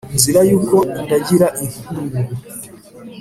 nzira y' uko ndagira inkungu